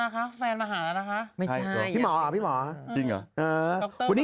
กลับจากเกาหลี